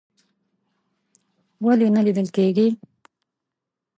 ولې نه لیدل کیږي؟